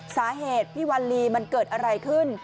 สาเหตุพี่วัลลีมันเกิดอะไรขึ้น